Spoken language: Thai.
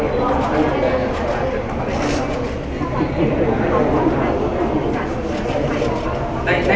แล้วก็จะทำอะไรให้เขา